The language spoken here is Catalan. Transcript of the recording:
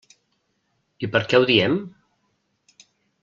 I per què ho diem?